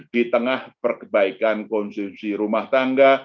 di tengah perkebaikan konsumsi rumah tangga